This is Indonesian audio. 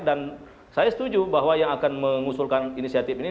dan saya setuju bahwa yang akan mengusulkan inisiatif ini